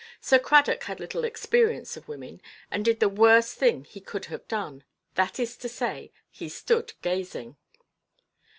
Sir Cradock had little experience of women, and did the worst thing he could have done—that is to say, he stood gazing.